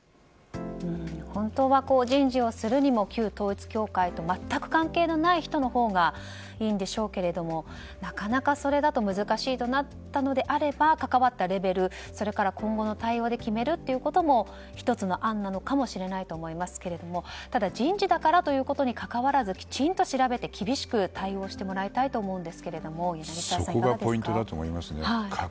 本当は、人事をするにも旧統一教会と全く関係のない人のほうがいいんでしょうけれどなかなかそれだと難しいとなったのであれば関わったレベルそれから今後の対応で決めるということも１つの案なのかもしれないと思いますけどもただ、人事だからということにかかわらずきちんと調べて厳しく対応してもらいたいと思うんですが柳澤さん、いかがですか？